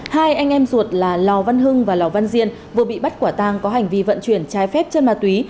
hai anh em ruột là lò văn hưng và lò văn diên vừa bị bắt quả tang có hành vi vận chuyển trái phép chân ma túy